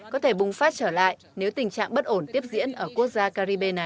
có thể bùng phát trở lại nếu tình trạng bất ổn tiếp diễn ở quốc gia caribe này